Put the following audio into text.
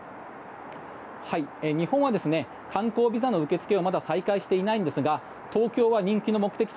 日本は観光ビザの受け付けはまだ再開していないんですが東京は、人気の目的地